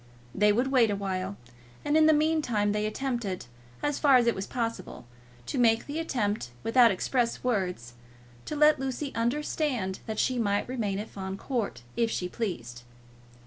They would wait awhile, and in the meantime they attempted, as far as it was possible to make the attempt without express words, to let Lucy understand that she might remain at Fawn Court if she pleased.